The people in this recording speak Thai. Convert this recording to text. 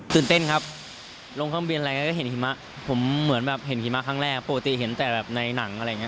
ตื่นเต้นครับลงท่องเบียนก็เห็นกับฮิมะผมเหมือนเห็นฮิตฮาแลกผสมในหนัง